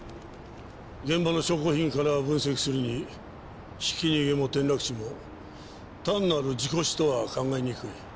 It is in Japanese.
現場の証拠品から分析するにひき逃げも転落死も単なる事故死とは考えにくい。